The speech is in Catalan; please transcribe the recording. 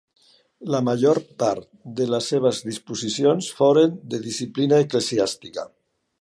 La major part de les seves disposicions foren de disciplina eclesiàstica.